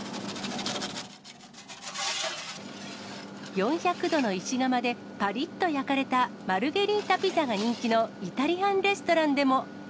４００度の石窯でぱりっと焼かれたマルゲリータピザが人気のイタリアンレストランでも。